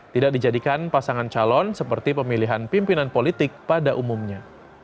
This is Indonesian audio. tidak dijadikan pasangan calon seperti pemilihan pimpinan politik pada umumnya